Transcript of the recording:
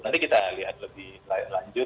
nanti kita lihat lebih lanjut